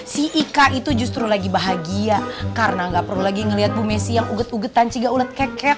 si ika itu justru lagi bahagia karena gak perlu lagi ngelihat bu messi yang uget ugetan ciga ulet kekek